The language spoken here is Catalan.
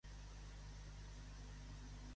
Com va dirigir-se a don Eudald?